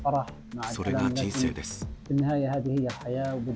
それが人生です。